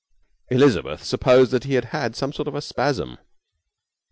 Elizabeth supposed that he had had some sort of a spasm.